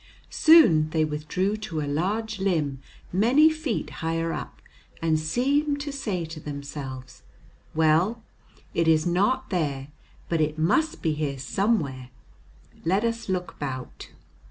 Soon they withdrew to a large limb many feet higher up, and seemed to say to themselves, "Well, it is not there, but it must be here somewhere; let us look about."